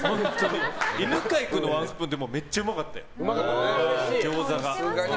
犬飼君のワンスプーンってめっちゃうまかったよ。